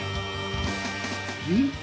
うん？